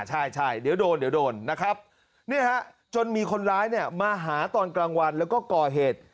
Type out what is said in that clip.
ใช่เดี๋ยวโดนเดี๋ยวโดนนะครับจนมีคนร้ายเนี่ยมาหาตอนกลางวันแล้วก็ก่อเหตุ